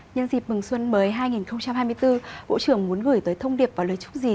nhân dịp mừng xuân mới hai nghìn hai mươi bốn bộ trưởng muốn gửi tới thông điệp và lời chúc gì